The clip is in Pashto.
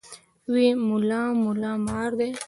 وې ملا ملا مار دی.